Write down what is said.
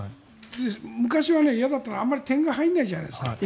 昔は嫌だったのあまり点が入らないじゃないですか。